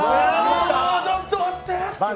ちょっと待ってー。